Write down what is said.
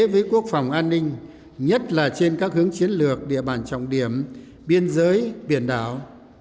với quốc phòng an ninh nhất là trên các hướng chiến lược địa bàn trọng điểm biên giới biển đảo